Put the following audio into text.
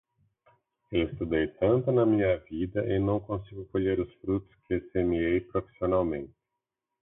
Estudei tanto na minha vida, e não consigo colher os frutos que semeei, profissionalmente.